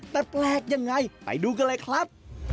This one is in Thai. แต่แปลกยังไงไปดูกันเลยครับ